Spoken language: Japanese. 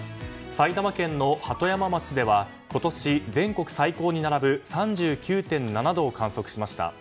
埼玉県の鳩山町では今年全国最高に並ぶ３９．７度を観測しました。